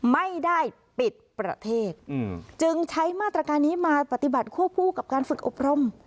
ไม่ได้ปิดประเทศจึงใช้มาตรการนี้มาปฏิบัติควบคู่กับการฝึกอบรม